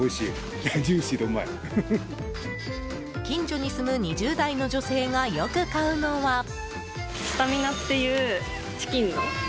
近所に住む２０代の女性がよく買うのは。